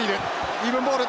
イーブンボール！